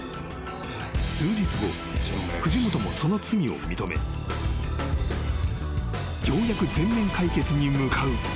［数日後藤本もその罪を認めようやく全面解決に向かう］